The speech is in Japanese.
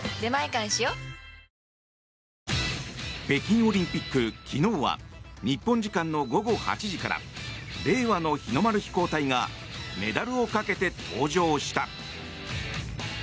北京オリンピック昨日は日本時間の午後８時から令和の日の丸飛行隊がメダルをかけて登場した。